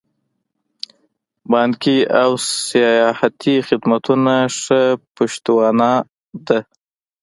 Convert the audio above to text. بانکي او سیاحتي خدمتونه ښه پشتوانه ده.